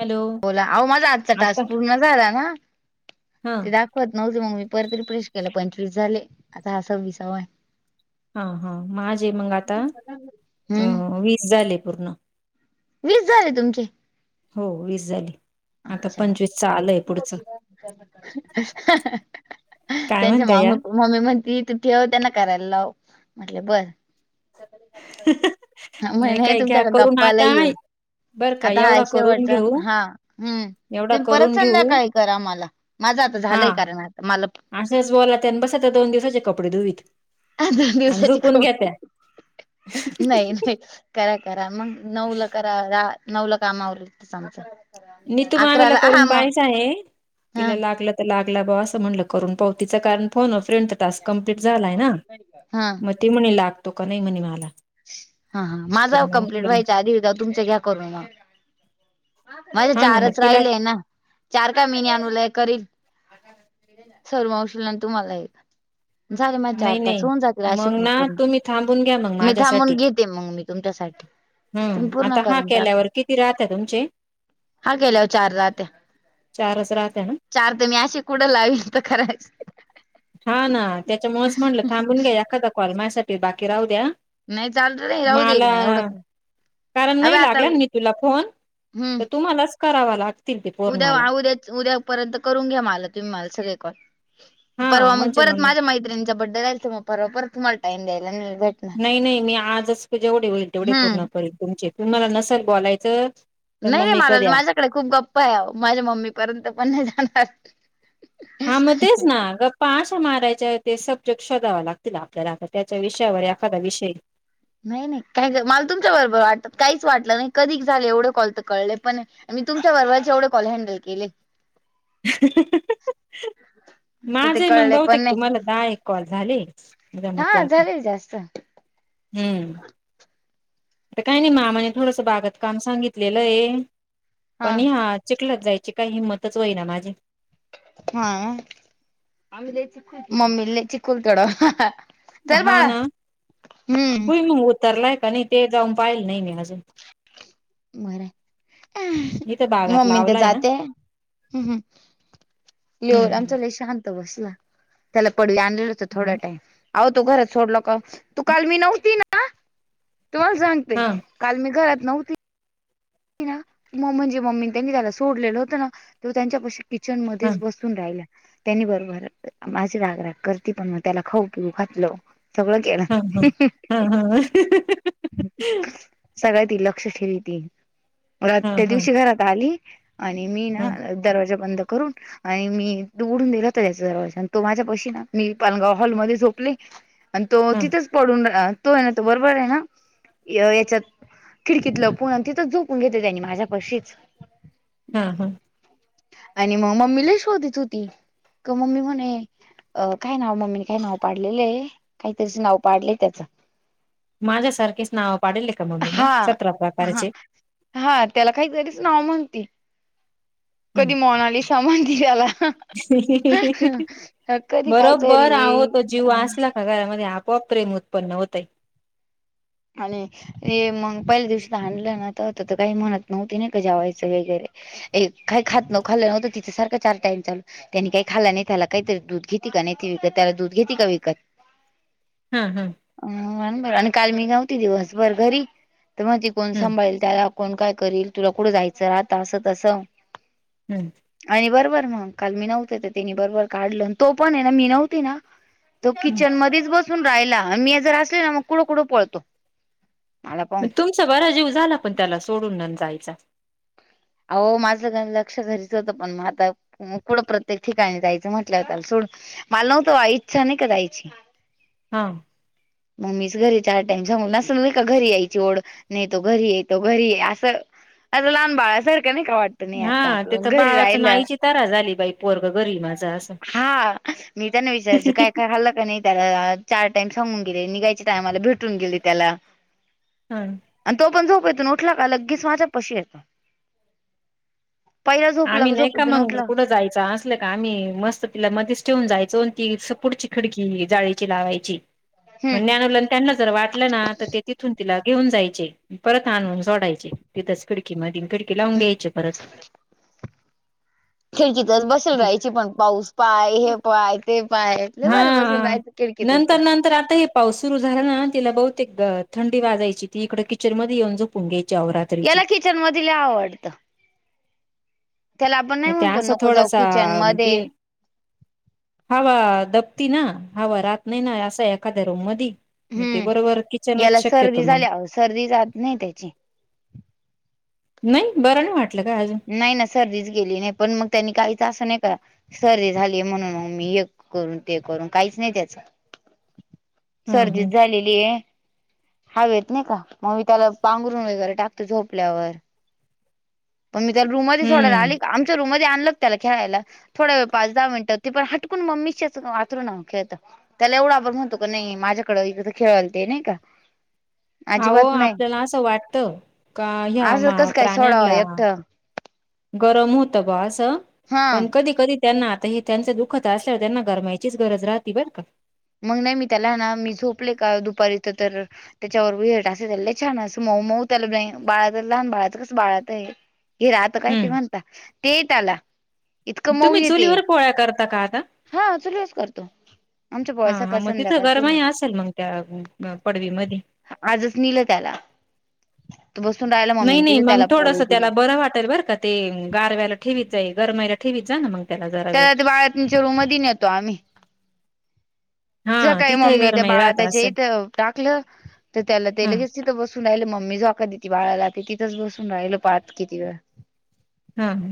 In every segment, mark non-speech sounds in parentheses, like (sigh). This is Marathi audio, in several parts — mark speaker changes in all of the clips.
Speaker 1: हॅलो
Speaker 2: बोला आओ माझा आजचा
Speaker 1: आता
Speaker 2: टास्क पूर्ण झाला ना
Speaker 1: हा
Speaker 2: तेजं आज होत नव्हती मग मी परत रीफ्रेश केले पंचवीस झाले आता हा सव्वीसावा आहे
Speaker 1: हा हा माझे मग आता
Speaker 2: हम्म
Speaker 1: अ वीस झाले पूर्ण
Speaker 2: वीस झाले तुमचे
Speaker 1: हो वीस झाले आता पंचवीसच
Speaker 2: अच्छा
Speaker 1: आलंय पुढचं
Speaker 2: हं हा हा
Speaker 1: काय म्हणता या
Speaker 2: मम्मी म्हणती तुथे येऊन त्यांना करायला लाव म्हटलं बर हा
Speaker 1: नाही
Speaker 2: म्हणं हे
Speaker 1: काय घ्या
Speaker 2: तुमच्याकडे
Speaker 1: करून
Speaker 2: गप्पाला
Speaker 1: आता
Speaker 2: येऊ
Speaker 1: बर का
Speaker 2: आता हा
Speaker 1: एवढा करून
Speaker 2: शेवटचा अन
Speaker 1: घेऊ
Speaker 2: हा हम
Speaker 1: एवढा
Speaker 2: तुम्ही परत
Speaker 1: करून घेऊ
Speaker 2: संधाकाळी करा मला माझं आता झालंय कारण आता मला
Speaker 1: अशेच बोलते आणि बसते दोन दिवसाचे कपडे धुवीत
Speaker 2: अहं दोन
Speaker 1: आणि
Speaker 2: दिवसाची
Speaker 1: झोपून घ्या त्या
Speaker 2: खपडे नाही नाही करा करा मग नऊला करा रा नऊला कामं आवरलं की सांगचा
Speaker 1: नितू मामीला करून पायचं आहे
Speaker 2: हा
Speaker 1: तिला लागला त र लागला बुवा असं म्हणलं करून पाहू तिचं कारण फोन अ फ्रेंडचा टास्क कंप्लीट झालाय ना
Speaker 2: हा
Speaker 1: मग ते म्हणे लागतो का नाही म्हणे मला
Speaker 2: हा हा माझा
Speaker 1: तर
Speaker 2: आओ कंप्लीट
Speaker 1: मग
Speaker 2: व्हायच्या आधी एकदा तुमचं घ्या करूनू मग माझे
Speaker 1: हा ना मग
Speaker 2: चारच
Speaker 1: तिला
Speaker 2: राहिलेय ना चार का मीनी आणूला एक करीन सरू मावशील आणि तुम्हाला एक झाले माझ
Speaker 1: नाही
Speaker 2: चार-पाच,
Speaker 1: नाही
Speaker 2: होऊन जातील अशी
Speaker 1: मग
Speaker 2: पण
Speaker 1: ना
Speaker 2: पूर्ण,
Speaker 1: तुम्ही थांबून घ्या मग
Speaker 2: मी थांबून
Speaker 1: माझ्यासाठी
Speaker 2: घेते मग मी तुमच्यासाठी तुम्ही पूर्ण करून टाका.
Speaker 1: तथिरात तुमचे
Speaker 2: हा, केल्यावर चार रात्या
Speaker 1: चारच राहत्या ना
Speaker 2: चार ते मी अशी कुडं लावल त (unintelligible)
Speaker 1: हा ना, त्याच्यामुळेच म्हटलं थांबून घ्या, एखादा कॉल माझ्यासाठी बाकी राहू द्या.
Speaker 2: नाही चाल (unintelligible) नाही राऊ देईल
Speaker 1: मला
Speaker 2: नाही एवढं काय?
Speaker 1: कारण
Speaker 2: अबे
Speaker 1: नई
Speaker 2: आता
Speaker 1: लागला न् मी तुला फोन,
Speaker 2: हम्म
Speaker 1: त तुम्हालाच करावा लागत
Speaker 2: उद्या, आ उद्याच उद्या पर्यंत करून घ्या, मला तुम्ही मला सगळे काॅल.
Speaker 1: हा
Speaker 2: परवा मग
Speaker 1: म्हणजे
Speaker 2: परत माझ्या मैत्रिंचा बड्डे राहिल, त म परवा परत तुम्हाला टाइम द्यायला नई भेट
Speaker 1: नई नई, मी आजच जेवढे होईल तेवढे
Speaker 2: हम्म
Speaker 1: पूर्ण करील तुमचे, तुमाला नसेल बोलायचं तर
Speaker 2: नई
Speaker 1: मग
Speaker 2: नई,
Speaker 1: मी
Speaker 2: मला
Speaker 1: कधी
Speaker 2: न् माझ्याकडे खूप गप्पाय ओवो, माझ्या मम्मी पर्यंत पण नई जाणार.
Speaker 1: हां, म तेच ना, गप् पश्व मारायच्या ते सब्जेक्ट शोधाव लागतील आपल्याला, आता त्याच्या विषयावर एखादा विषय
Speaker 2: नई नई, काय ग् माल तुमच्या बरोबर वाटत काहीच वाटलं नाई, कधीक झाले एवढे कॉल तर कळले पणे नाही. मी तुमच्या बरबर एवढे कॉल हॅंडल केले. तर ते
Speaker 1: माझे मंग
Speaker 2: कळले पण
Speaker 1: बहुतेक
Speaker 2: नाही.
Speaker 1: तुम्हाला दहा एक कॉल झाले? जमते
Speaker 2: हा,
Speaker 1: आता
Speaker 2: झालेय जास्त
Speaker 1: हम्म! त काय नई मामाने थोडंस बागत काम सांगितलेलंये पण
Speaker 2: हा
Speaker 1: हे आ, चिकलात जायची काई हिंम्मतच होई ना माझी.
Speaker 2: हा, आमी लय (unintelligible) मम्मी लय चिकुल तोड चल
Speaker 1: हा
Speaker 2: बाळा, हम्म!
Speaker 1: तरलाय का, नई ते जाऊन पायेल नई मी अजून.
Speaker 2: बरय,
Speaker 1: मी तर बागात
Speaker 2: मम्मीन ते
Speaker 1: लावलाय ना
Speaker 2: जाते यो
Speaker 1: हम्म
Speaker 2: आमचा लय शांत बसला, त्याला पडवी आणलेलं होतं थोडा
Speaker 1: हम्म
Speaker 2: टाइम आवो तो घरात सोडलं का, तू काल मी नव्हती ना तुम्हाल सांगते,
Speaker 1: हा
Speaker 2: काल मी घरात नव्हती ना, म म्हणजे मम्मीन त्यांनी त्याला सोडलेलं, त्यानं तो त्यांच्या पाशी किचन
Speaker 1: हा
Speaker 2: मधेच बस -उन राहिला, त्यांनी बरोबर म अशी राग-राग करती, पण म त्याला खाऊ पिऊ घातलं. सगळं केलं.
Speaker 1: हा हा हा हा हा
Speaker 2: सगळं ती लक्ष ठेवीती. रात त्या
Speaker 1: हा
Speaker 2: दिवशी घरात आली, आणि मी ना
Speaker 1: हा
Speaker 2: अ दरवाजा बंद करून आणि मी दुवडून दिला त्याचा् दरवाजा, आन् तो माझ्या पशी ना, मी पलंगाव हॉलमध्ये झोपले. अन् तो तिथंच पडून रा तो ए ना त, बरोबरे ये ना, अ याच्यात खिडकीत लपुन् अन् तिथंच जोप उन घेतलं त्यानी माझ्या पशीच
Speaker 1: हा हा.
Speaker 2: आणि म मम्मी लय शोधीत होती, क मम्मी म्हणे अ काय नाव, मम्मीने काय नाव पाडलेलये, काईतरीच नाव पाडलय त्याचं.
Speaker 1: माझ्यासारकेच नावं पाडेले का मम्मी न,
Speaker 2: हा
Speaker 1: सतरा
Speaker 2: हा
Speaker 1: प्रकारचे?
Speaker 2: हा, त्याला काई तरीच नाव म्हणती, कधी
Speaker 1: हम्म
Speaker 2: मोनालीसा म्हनती त्याला
Speaker 1: (inaudible)
Speaker 2: कधी
Speaker 1: बरोबर
Speaker 2: काहीतरी
Speaker 1: आवो तो, जीव आसला घरामध्ये आपोआप प्रेम उत्पन्न होतय.
Speaker 2: आणि हे मंग पयल्या दिवशी त आणलंय ना, तवात त काय म्हणत नव्हती नई का जेवायचं वगैरे ए काई खात नव, खाल्ल नव्हत तिच सारख चार टाईम चालू. त्यानी काही खाल्ल नाई. त्याला काईतरी दूध घेती का नाई ती विकत. त्याला दूध घेती का विकत.
Speaker 1: हम्म हम्म
Speaker 2: अ अन बर, अन काल मी नव्हती दिवस भर घरी. त म ती कोण
Speaker 1: हम्म
Speaker 2: सांभाळेल. त्याला कोण काय करील. तुला कुठ जायचय राहत अस तस.
Speaker 1: हम्म
Speaker 2: आणि बरोबर मंग. काल मी नव्हते त तिनी बरबर काढल. अन तो पण ए ना मी नव्हती ना तो
Speaker 1: हम्म.
Speaker 2: किचन मधीच बसून रायला. अन म्या जर असली ना मग कुड कुड पळतो. मला पाहून
Speaker 1: तुमचा बरा जीव झाला पण त्याला सोडून अन जायचा.
Speaker 2: अवो माझ गन लक्ष घरीच होत, पण म आता कुड प्रत्येक ठिकाणी जायच म्हटल्याव त्याल सोड, माल नव्हत वा इच्छा नई का जायची. (inaudible)
Speaker 1: हा
Speaker 2: मम्मीच घरी चार टाईम सांगुन, अस न‌ई का घरी यायची ओढ. नाही तो घरी आहे. तो घरी आहे. अस, अस लहान बाळा सारख नाही का वाटत. नाही
Speaker 1: हा
Speaker 2: आता
Speaker 1: तेत
Speaker 2: आपलं घरी
Speaker 1: बाळाच न
Speaker 2: राहिलं
Speaker 1: आईची तरा झाली बाई, पोरग घरी माझ अस.
Speaker 2: हा मी त्यांना विचारयच, काय काय हल्ल का नाही त्याला चार टाइम सांगून गेले. निघायच्या टायमाला भेटून गेले त्याला.
Speaker 1: हम्म
Speaker 2: आणि तो पण झोपेतुन उठला का लगेच माझ्या पशी येतो. पहिला झोपला
Speaker 1: आम्ही नाही का
Speaker 2: झोपेतून
Speaker 1: मग,
Speaker 2: उठला
Speaker 1: कुठ जायच असल का आम्ही मस्त तिला मध्येच ठेवून जायचो. ती पुढची खडकी जाळीची लावायची. म
Speaker 2: हम्म
Speaker 1: ज्ञानुला त्यांना जर वाटल ना तर ते तिथून तिला घेऊन जायचे. परत आणुन सोडायचे. तिथच खिडकीमधी. अन खिडकी लावून घ्यायचे परत.
Speaker 2: खिळकीतच बसेल राहायची पण, पाऊस पाय हे पाय. ते पाय. लय
Speaker 1: हा
Speaker 2: भारी बसून रायच खिडकीतच ते.
Speaker 1: नंतर नंतर आता हे पाऊस सुरू झाला ना तिला बहुतेक थंडी वाजायची. ती इकड किचन मध्ये येऊन झोपून घ्यायची आव रात्री.
Speaker 2: याला किचन मधी ल‌ई आवडत. नाही
Speaker 1: मग त्या
Speaker 2: म्हणतो
Speaker 1: अस
Speaker 2: नको जाऊ
Speaker 1: थोडासा
Speaker 2: किचन मध्ये
Speaker 1: बिन हवा दपती ना. हवा रात नाही ना अस एखाद्या रूम मधी. ते
Speaker 2: हम्म
Speaker 1: बरोबर किचनच
Speaker 2: याला
Speaker 1: शक्यतो
Speaker 2: सर्दी
Speaker 1: मग
Speaker 2: झाल्या अहो सर्दी जात नाही त्याची.
Speaker 1: नाही, बर नाही वाटल काय अजून.
Speaker 2: नाही ना सर्दीच गेली नाही. पण मग त्यांनी काहीच अस नाही का सर्दी झाली म्हणून मग मी एक करून ते करून काहीच नाही त्याच.
Speaker 1: ह ह
Speaker 2: सर्दीच झालेली आहे. हवेत नाही का, मग मी त्याला पांघरण वगैरे टाकते झोपल्यावर. पण मी त्याला रूममध्ये सोडायला
Speaker 1: हम्म
Speaker 2: आली का आमच्या रूममध्ये आणलं त्याला खेळायला थोड्या वेळ पाच दहा मिनट ती पण हटकून मम्मीशीच वाचरू न खेळत. त्याला एवढ आपण म्हणतो का नाही माझ्याकडें इथ तर खेळाल ते नाही का.
Speaker 1: अहो
Speaker 2: अजिबात नाही
Speaker 1: आपल्याला अस वाटत का ह्या
Speaker 2: असं
Speaker 1: मा
Speaker 2: कसं काय सोडावा
Speaker 1: प्राण्यांला
Speaker 2: एकटं
Speaker 1: गरम होत बा अस.
Speaker 2: हा
Speaker 1: पण कधी कधी त्यांना आता हे त्यांच दुःखत असल्यावर त्यांना गरमायचीच गरज राहती बर का.
Speaker 2: मग नाही, मी त्याला ना मी झोपले का दुपारी इथ तर त्याच्यावरहेट असे त्या छान असं मऊ मऊ त्याला बाळाच लहान बाळाच कसं बाळात आहे. घ राहता काय ते
Speaker 1: हम्म
Speaker 2: म्हणता ते यट आला. इतकं मऊ
Speaker 1: तुम्ही
Speaker 2: येते
Speaker 1: चुलीवर पोळ्या करता का आता
Speaker 2: हा चलस करतो. आमच्या पोळ्या
Speaker 1: हा हा
Speaker 2: सकाळ
Speaker 1: मग तिथं
Speaker 2: संध्याकाळ चुल
Speaker 1: गरमाई असेल मग त्या पडवीमध्ये.
Speaker 2: आजच नलं त्याला. बसूनला.
Speaker 1: नाही नाही मग थोडंस त्याला बरं वाटाल बर का ते गारवा्यायला ठेवीचं गरमायला ठेवीचं आहे ना मग. त्याला जरा वेळ
Speaker 2: तर ते बाळतच्या रूम न येतो आम्ही.
Speaker 1: हा
Speaker 2: सकाळी
Speaker 1: तिथंही
Speaker 2: मम्मी त्या
Speaker 1: गरमाई
Speaker 2: बाळा
Speaker 1: राहत
Speaker 2: त्याच्या
Speaker 1: असेल
Speaker 2: इथं टाकलं तर त्याला ते
Speaker 1: हा
Speaker 2: लगेच. तिथं बसून राहिल म्मी जोका तती बाळाला तिथच बसून राहिललं पाहत किती वेळ.
Speaker 1: हा ह.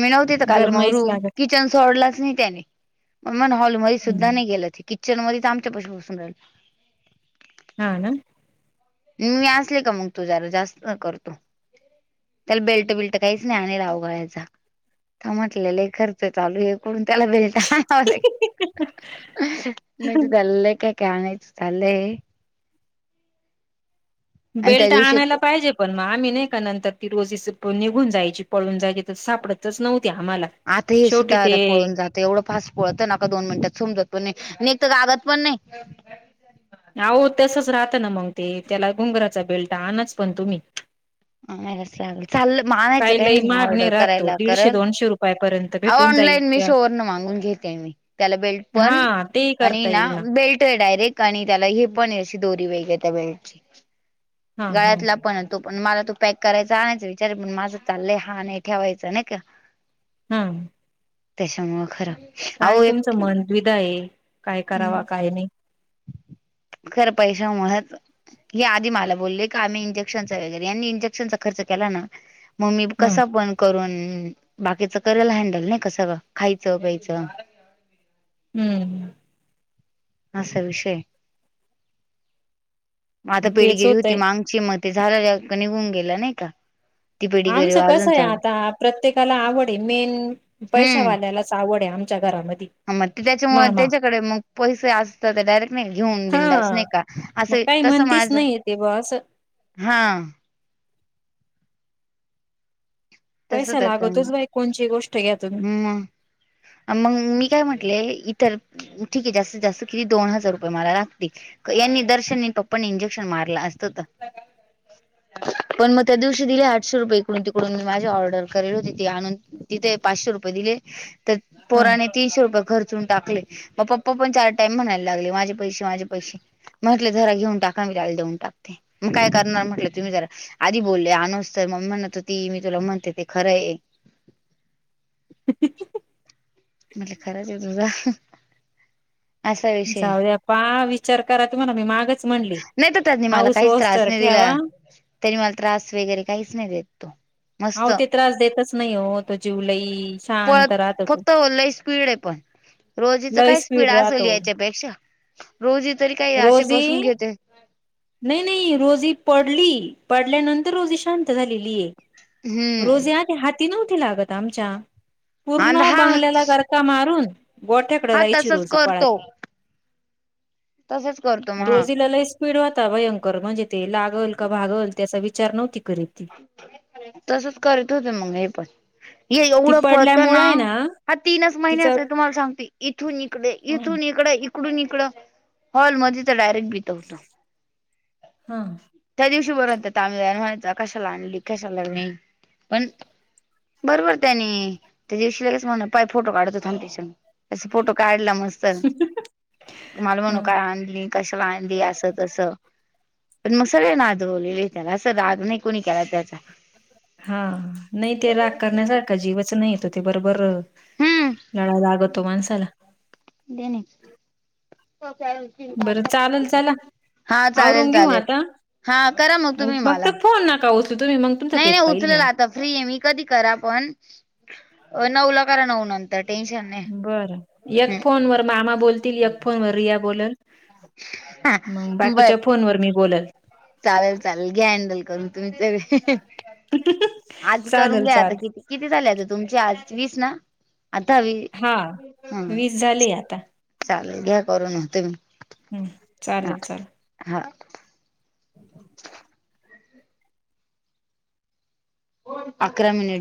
Speaker 2: मी नवती तर काल मरू
Speaker 1: गरमाईच लागत
Speaker 2: किती. सोडलाच नाही त्याने मग म हॉलमध्ये सुद्धा
Speaker 1: हम्म.
Speaker 2: नाही गेलं ति. किचन मध्ये आमच्याशी बसून राहील.
Speaker 1: हा.
Speaker 2: मी असले का मग तू जरा जास्त करतो. त्याला बेल्ट बिल्ट काहीच नाही आणिलावगा्याचा तर म्हटलेला खर्च चालू आहे. कोण त्याला भेलटा नाहीच झाल्ले काय का आणायच. आले. आणि त्या
Speaker 1: बेल्ट
Speaker 2: दिवशी
Speaker 1: आणायला पाहिजे. पण मग आम्ही नाही का नंतर ती रोजीच निघून जायची पळून जायची तर सापडत. च नव्ह्या आम्हाला.
Speaker 2: आता हे
Speaker 1: शेवटी
Speaker 2: सुद्धा
Speaker 1: ते
Speaker 2: आता पळून जात. एवढं फास पळत नाका दोन मिनिटात समजत पण नाही न तर गगत पण नाही.
Speaker 1: अह तसच राहत ना मग ते त्याला गुंगराचा बेल्ट आणच पण तुम्ही.
Speaker 2: हच लागल चालल मानायचं
Speaker 1: काही
Speaker 2: काय
Speaker 1: लई
Speaker 2: नाही म
Speaker 1: महाग
Speaker 2: ऑर्डर
Speaker 1: राहतो
Speaker 2: करायला कल.
Speaker 1: दीडशे दोनशे रुपयापर्यंत
Speaker 2: अ
Speaker 1: भेटून जाईल
Speaker 2: ऑनलाईन मी
Speaker 1: त्या
Speaker 2: शोअरन मागून घेते मी त्याला बेल्ट पण
Speaker 1: हा तेही
Speaker 2: आणि
Speaker 1: करता
Speaker 2: ना
Speaker 1: येईल
Speaker 2: बेल्ट आहे डायरेक्ट. आणि त्याला हे पणशी दोरी वेग त्या वेळेची
Speaker 1: हा हा
Speaker 2: गाळ्यातला पण. तो पण मला तू पॅक करायचा आणायच विचार पण माझं चाललंय हाान नाही ठेवायचं नाही का.
Speaker 1: हम.
Speaker 2: त्याच्यामुळं खरं.
Speaker 1: काय
Speaker 2: अहो
Speaker 1: तुमचं
Speaker 2: एक
Speaker 1: मनविधा आहे काय करावा काय नाही.
Speaker 2: खरं पैशा मुच. हे आधी मला बोललेय का आम्ही इंजेक्शनचा वगैरे यांनी इंजेक्शनचा खर्च केला ना. मम्मी
Speaker 1: ह
Speaker 2: कसं पण करून बाकीचं केयला हँडल नाही कसं खायचं प्यायचं.
Speaker 1: हम्म.
Speaker 2: असा विषय आता
Speaker 1: तेच
Speaker 2: पिढगिरी होती
Speaker 1: होतय
Speaker 2: मग. मती झालं निघून गेला नाही का. ती पेडगिरी
Speaker 1: आमचं कसं
Speaker 2: अजून
Speaker 1: आहे
Speaker 2: चालू
Speaker 1: आता प्रत्येकाला आवड आहे मेन
Speaker 2: हम्म
Speaker 1: पैशावाल्यालाच आवड आहे आम. च्यागरामध्ये.
Speaker 2: मग ते त्याच्यामुळे त्याच्याकडे मग पैसे असतात ते डायरेक्ट नाही घेऊन बिंंदास
Speaker 1: हा
Speaker 2: नाही का
Speaker 1: मग
Speaker 2: असे
Speaker 1: काही म्हणतीच नाही ते बो अस.
Speaker 2: हा. तस
Speaker 1: पैसा
Speaker 2: त्याच्यामुळ
Speaker 1: लागतोच बाई कोणची गोष्ट घ्या तुम्ही
Speaker 2: मग. मग मी काय म्हटले इतर ठीके जास्तीत, जास्त किती दोन हजार रुपये मला लागतील. यांनी दर्शननी पप्पानी इंजेक्शन मारलं असतं तर. पण मग त्या दिवशी दिले आठशेरुपये, इकडून -तिकडून मी माझ ऑर्डर करली होती ते आणून, तिथे पाचशे रुपये दिले. त्यात
Speaker 1: हा
Speaker 2: पोराने तीनशे रुपये खर्चून टाकले, मग पप्पा पण चार टाइम म्हणायला लागले, माझे पैसे, माझे पैसे. म्हटलं जरा घेऊन टाका, मी जाळी धुवून टाकते. मग काय करणार म्हटलं तुम्ही जरा, आधी बोलले आनोस तर, मग म्हणत होती मी तुला म्हण ते खरंय. म्हजे, खरच हे तुझ.
Speaker 1: जाऊ द्या पा, विचार करा ते म्हणा मी मागच म्हणली.
Speaker 2: नाही तर त्यांनी
Speaker 1: हाऊ सोस्त ठ्यावा.
Speaker 2: तरी मला त्रास वगैरे काहीच नाही देत तो. मस्त
Speaker 1: आव ते त्रास देतच नाही वो तो, जिवलई शानत राहततो.
Speaker 2: तो स्पीड आहे पण, रोजीच
Speaker 1: लई
Speaker 2: काय स्पीड असेल
Speaker 1: राहतो
Speaker 2: याच्यापेक्षा? रोजी तरी काय असे बसून
Speaker 1: रोजी
Speaker 2: घेते.
Speaker 1: नाही, नाही रोजी पडली, पडल्यानंतर रोजी शांत झालेलीय.
Speaker 2: हम्म
Speaker 1: रोजी आधी हाती नव्हती लागत आमच्या,
Speaker 2: आणि
Speaker 1: पूर्ण
Speaker 2: हा
Speaker 1: बंगल्याला घर का, मारून गोठ्याकडे
Speaker 2: हा
Speaker 1: राहायची
Speaker 2: तसच
Speaker 1: रोजी पळत.
Speaker 2: करतो तसच करतो मग हा
Speaker 1: रोजीला लई स्पीड वा भयंकर, म्हणजे ते लागल का भागल त्याचा विचार नव्हती करे ती.
Speaker 2: तसच करत होत मंग हे पण, हे
Speaker 1: ती
Speaker 2: एवढं पहत
Speaker 1: पडल्यामुळे
Speaker 2: ना.
Speaker 1: आहे
Speaker 2: हा तीनच महिन्या
Speaker 1: तिचा
Speaker 2: तुम्हाला सांगते, इथून इकडे, इथून इकडे इकडून, इकडं हॉलमध्ये तर डायरेक्ट बितवत.
Speaker 1: हा.
Speaker 2: त्या दिवशी वर म्हणत तांबव्या म्हणायच कशाला आणली कशाला नाही पण (unintelligible) अस फोटो काढला मस्त, तुम्हाला म्हणू काय आणली. कशाला आणली असं- तसं, पण मग सगळ नादवलेली त्याला अस राग नही कुणी केला त्याचा.
Speaker 1: हा, नाही ते रागण्यासारखा जीवच नाहीेतो, ते बरोबर.
Speaker 2: हम्म
Speaker 1: लळा लागतो माणसाला.
Speaker 2: त्याने.
Speaker 1: बरं चालेल चला,
Speaker 2: चालेल
Speaker 1: आवरून घेऊ
Speaker 2: चालेल
Speaker 1: आता.
Speaker 2: हा करा मग
Speaker 1: आणि
Speaker 2: तुम्ही
Speaker 1: फक्त
Speaker 2: मला
Speaker 1: फोन नका उचलु, तुम्ही मग तुमचा
Speaker 2: नाही नाही
Speaker 1: भेेत पा येल मी
Speaker 2: उचलेल
Speaker 1: आ.
Speaker 2: आता फ्री आहे मी कधी करा पण, नऊला करा, नऊ नंतर टेन्शन नाही.
Speaker 1: बरं, एक फोनवर मामा बोलतील, एक फोन व रिया बोलल. म, बाकीच्या फोन वर मी बोलल.
Speaker 2: चालल, चालल घ्या हँडल करून तुमच बी, आज करून
Speaker 1: चालेल
Speaker 2: घ्या आता
Speaker 1: चालेल
Speaker 2: कित किती झाल्या गं तुमच्या आज वीस ना? आतावी
Speaker 1: हा, वीस झाले आता.
Speaker 2: चालेल घ्या करून तुम्ही.
Speaker 1: हम्म,
Speaker 2: हा
Speaker 1: चालल चालल.
Speaker 2: हा. (unintelligible) अकरा मिनिट.